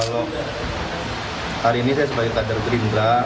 kalau hari ini saya sebagai kader gerindra